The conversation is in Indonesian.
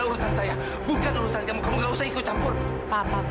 orang jahat itu harus masuk kejar bapak